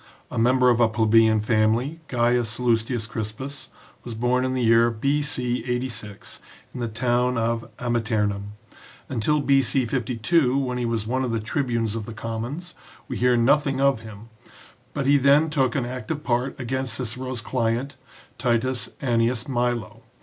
A member of a plebeian family, Gaius Sallustius Crispus was born in the year B.C. 86 in the town of Amiternum. Until B.C. 52, when he was one of the tribunes of the commons, we hear nothing of him, but he then took an active part against Cicero's client, T. Annius Milo.